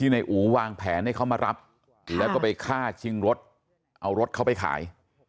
นายอู๋วางแผนให้เขามารับแล้วก็ไปฆ่าชิงรถเอารถเขาไปขาย